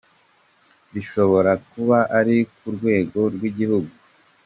Bishobora kuba ari ku rwego rw’igihugu.